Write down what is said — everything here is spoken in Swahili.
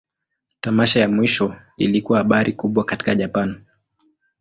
Tamasha ya mwisho ilikuwa habari kubwa katika Japan.